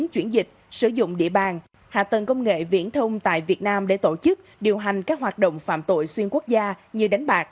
chuyển dịch sử dụng địa bàn hạ tầng công nghệ viễn thông tại việt nam để tổ chức điều hành các hoạt động phạm tội xuyên quốc gia như đánh bạc